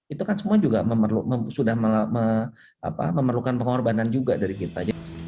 itu kan semua juga sudah memerlukan pengorbanan juga dari kita